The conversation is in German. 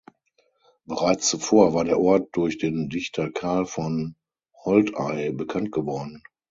Bereits zuvor war der Ort durch den Dichter Karl von Holtei bekannt geworden.